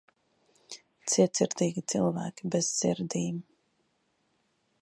Cietsirdīgi cilvēki bez sirdīm